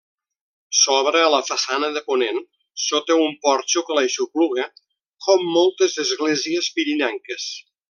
S'obre a la façana de ponent, sota un porxo que l'aixopluga, com moltes esglésies pirinenques.